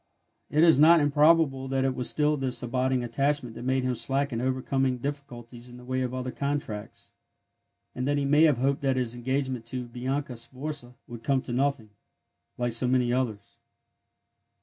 It is not improbable that it was this still abiding attachment that made him slack in overcoming difficulties in the way of other contracts, and that he may have hoped that his engagement to Bianca Sforza would come to nothing, like so many others.